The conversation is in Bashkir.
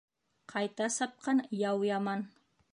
Ҡайта сапҡан яу яман